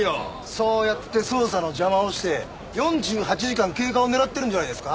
そうやって捜査の邪魔をして４８時間経過を狙ってるんじゃないですか？